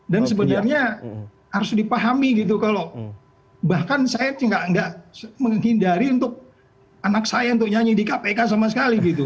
dan sebenarnya harus dipahami gitu kalau bahkan saya tidak menghindari untuk anak saya untuk nyanyi di kpk sama sekali gitu